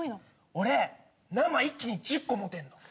俺生一気に１０個持てるの。